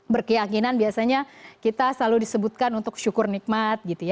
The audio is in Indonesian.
berkeyakinan biasanya kita selalu disebutkan untuk syukur nikmat